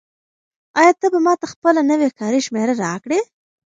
آیا ته به ماته خپله نوې کاري شمېره راکړې؟